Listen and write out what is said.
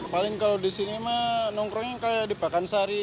paling kalau disini mah nongkrongnya kayak di pekansari